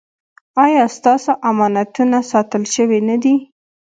ایا ستاسو امانتونه ساتل شوي نه دي؟